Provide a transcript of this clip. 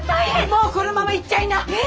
もうこのまま行っちゃいな！え！？